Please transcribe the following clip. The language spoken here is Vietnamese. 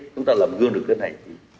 chúng ta làm gương được cái này